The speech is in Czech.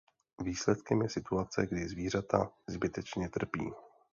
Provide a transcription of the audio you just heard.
Výsledkem je situace, kdy zvířata zbytečně trpí.